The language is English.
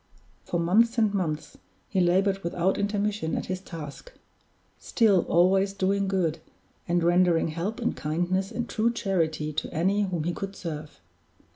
For months and months he labored without intermission at his task; still, always doing good, and rendering help and kindness and true charity to any whom he could serve.